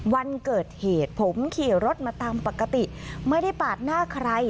วันเกิดเหตุผมขี่รถมาตามปกติไม่ได้ปาดหน้าใคร